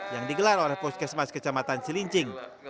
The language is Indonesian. yang digelar oleh puskesmas kecamatan cilincing